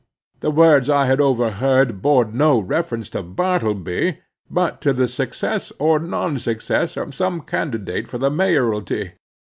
The words I had overheard bore no reference to Bartleby, but to the success or non success of some candidate for the mayoralty.